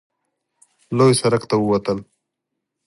لوی سړک ته ووتل.